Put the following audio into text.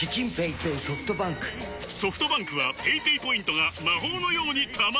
ソフトバンクはペイペイポイントが魔法のように貯まる！